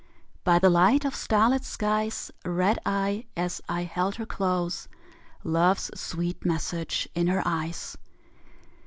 By the light of starlit skies Read I, as I held her close, Love's sweet message in her eyes.